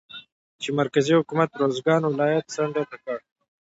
چې مرکزي حکومت روزګان ولايت څنډې ته کړى